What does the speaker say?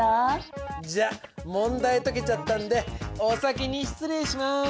じゃ問題解けちゃったんでお先に失礼します。